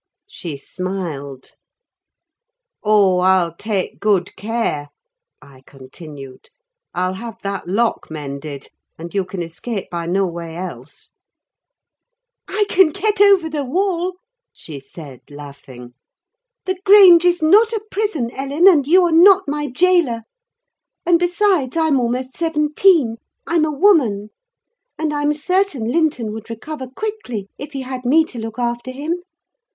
She smiled. "Oh, I'll take good care," I continued: "I'll have that lock mended, and you can escape by no way else." "I can get over the wall," she said laughing. "The Grange is not a prison, Ellen, and you are not my gaoler. And besides, I'm almost seventeen: I'm a woman. And I'm certain Linton would recover quickly if he had me to look after him.